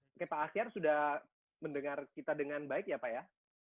oke pak ahyar sudah mendengar kita dengan baik ya pak ya